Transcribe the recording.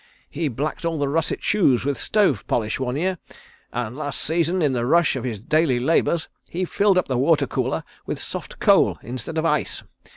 He blacked all the russet shoes with stove polish one year, and last season in the rush of his daily labours he filled up the water cooler with soft coal instead of ice.